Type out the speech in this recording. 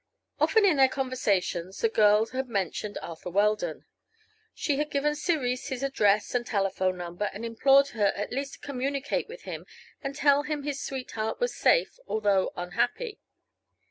Often in their conversations the girl had mentioned Arthur Weldon. She had given Cerise his address and telephone number, and implored her at least to communicate with him and tell him his sweetheart was safe, although unhappy.